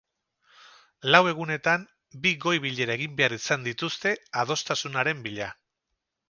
Lau egunetan, bi goi-bilera egin behar izan dituzte, adostasunaren bila.